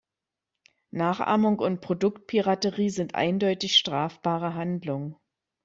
Nachahmung und Produktpiraterie sind eindeutig strafbare Handlungen.